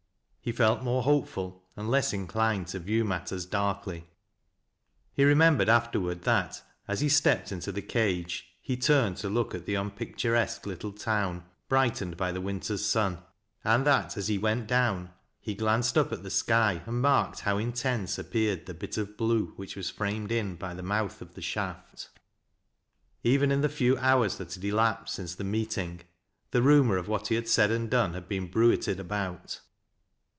He felt more hopeful, and less inclined to view matters darkly. He remembered afterward that, as he stepped into the cage, he turned to look at the unpicturesqne little town, brightened by the winter's sun ; and that, as he went down, he glanced up at the sky and marked how intense appeared the bit of blue, which was framed in by the mouth of the shaft. Even in the few hours that had elapsed since the meeting the rumor of what he had said and done had been bruited about.